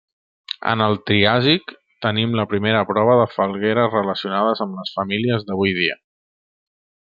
En el triàsic, tenim la primera prova de falgueres relacionades amb les famílies d'avui dia.